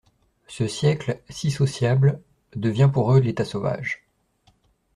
Ce siècle, si sociable, devient pour eux l'état sauvage.